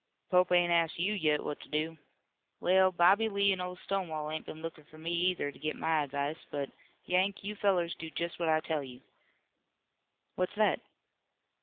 "Pope ain't asked you yet what to do. Well, Bobby Lee and Old Stonewall ain't been lookin' for me either to get my advice, but, Yank, you fellers do just what I tell you." "What's that?"